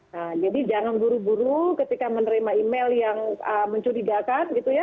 nah jadi jangan buru buru ketika menerima email yang mencurigakan gitu ya